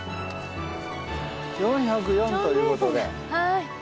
４０４ということで。